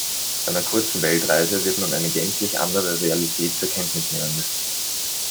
Bei einer kurzen Weltreise wird man eine gänzlich andere Realität zur Kenntnis nehmen müssen.